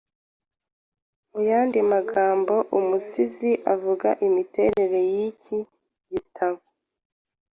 Muyandi magambo umusizi avuga nimiterere yiki gitabo